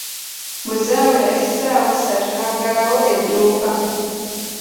Bwe zaawera essaawa essatu n'aggalawo edduuka.